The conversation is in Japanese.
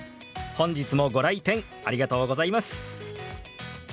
本日もご来店ありがとうございます！